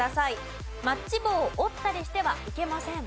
マッチ棒を折ったりしてはいけません。